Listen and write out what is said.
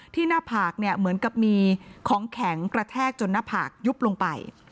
หน้าผากเนี่ยเหมือนกับมีของแข็งกระแทกจนหน้าผากยุบลงไป